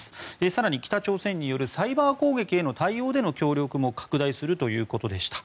更に、北朝鮮によるサイバー攻撃への対応での協力も拡大するということでした。